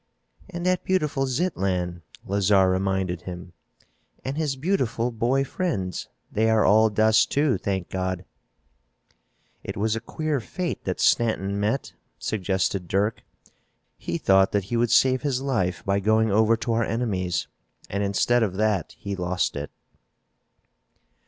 "And that beautiful Zitlan," Lazarre reminded him, "and his beautiful boy friends, they are all dust too, thank God!" "It was a queer fate that Stanton met," suggested Dirk. "He thought that he would save his life by going over to our enemies, and, instead of that, he lost it."